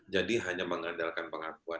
jadi hanya mengandalkan pengakuan